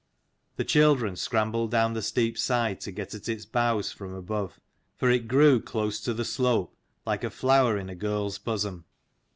The children scrambled down the steep side to get at its boughs from above, for it grew close to the slope, like a flower in a girl's bosom.